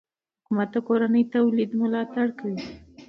حکومت د کورني تولید ملاتړ کوي.